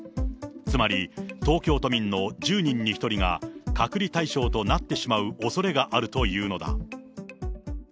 つまり東京都民の１０人に１人が、隔離対象となってしまうおそれがあるというのだ。